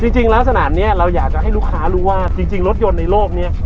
จริงแล้วสนามนี้เราอยากจะให้ลูกค้ารู้ว่าจริงรถยนต์ในโลกนี้